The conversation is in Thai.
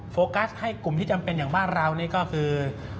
โฟกัสให้กลุ่มที่จำเป็นอย่างบ้านเรานี่ก็คือ